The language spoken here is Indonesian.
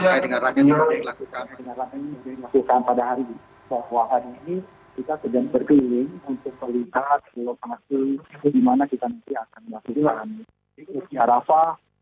kita sedang berkelim untuk melihat langsung di mana kita nanti akan masuk jemaah